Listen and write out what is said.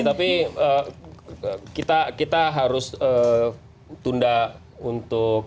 tapi kita harus tunda untuk